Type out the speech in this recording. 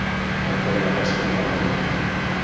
Et faria res apujar la llum?